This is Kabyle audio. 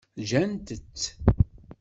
Gant-tt.